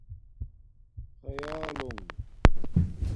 خئالݸنݣ